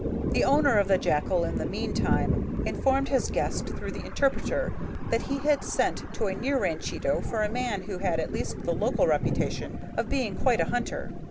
The owner of the jacal in the mean time informed his guest through the interpreter that he had sent to a near by ranchito for a man who had at least the local reputation of being quite a hunter.